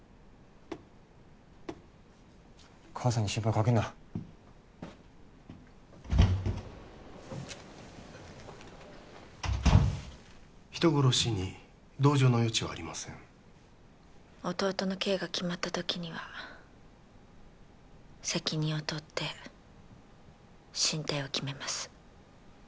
母さんに心配かけんな人殺しに同情の余地はありません弟の刑が決まった時には責任を取って進退を決めます